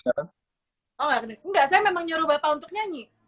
oh enggak saya memang nyuruh bapak untuk nyanyi